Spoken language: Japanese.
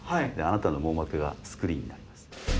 あなたの網膜がスクリーンになります。